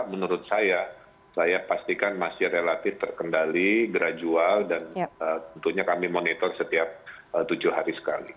menurut saya saya pastikan masih relatif terkendali gradual dan tentunya kami monitor setiap tujuh hari sekali